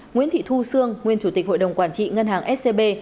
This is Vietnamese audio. nguyễn thị thu sương nguyên chủ tịch hội đồng quản trị ngân hàng scb